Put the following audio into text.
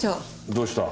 どうした？